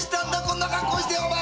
こんな格好して。